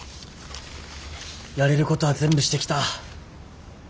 やれることは全部してきた。